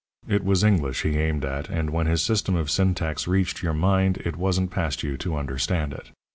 It was English he aimed at, and when his system of syntax reached your mind it wasn't past you to understand it.